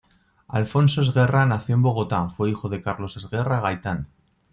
Alfonso Esguerra nació en Bogotá fue hijo de Carlos Esguerra Gaitán.